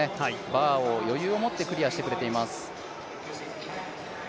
バーを余裕を持ってクリアしてくれています。